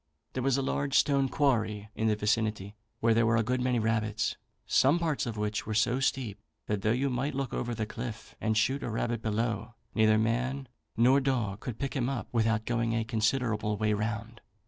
There was a large stone quarry in the vicinity, where there were a good many rabbits, some parts of which were so steep, that though you might look over the cliff, and shoot a rabbit below, neither man nor dog could pick him up without going a considerable way round.